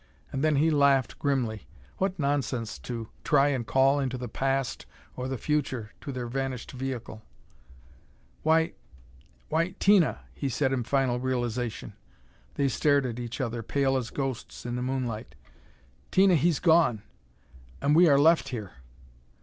And then he laughed grimly. What nonsense to try and call into the past or the future to their vanished vehicle! "Why why, Tina " he said in final realization. They stared at each other, pale as ghosts in the moonlight. "Tina, he's gone. And we are left here!"